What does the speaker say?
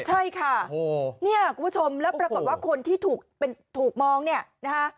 ใช่ค่ะโอ้โหเนี้ยคุณผู้ชมแล้วปรากฏว่าคนที่ถูกเป็นถูกมองเนี้ยนะฮะ